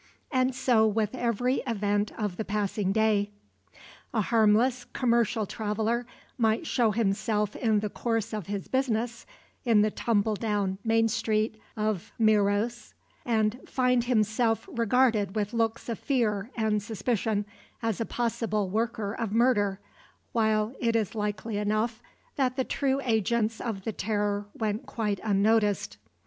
And so with every event of the passing day. A harmless commercial traveler might show himself in the course of his business in the tumbledown main street of Meiros and find himself regarded with looks of fear and suspicion as a possible worker of murder, while it is likely enough that the true agents of the terror went quite unnoticed.